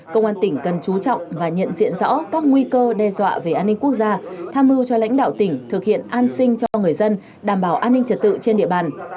công an tỉnh cần chú trọng và nhận diện rõ các nguy cơ đe dọa về an ninh quốc gia tham mưu cho lãnh đạo tỉnh thực hiện an sinh cho người dân đảm bảo an ninh trật tự trên địa bàn